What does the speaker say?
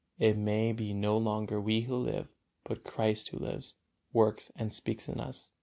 it may be no longer we who live, but Christ Who lives, works and speaks in us.